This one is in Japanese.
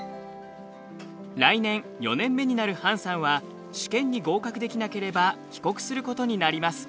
来年４年目になるハンさんは試験に合格できなければ帰国することになります。